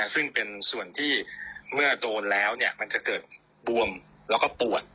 ซึ่งเป็นส่วนที่เมื่อโดนแล้วมันจะเกิดบวมแล้วก็ปวด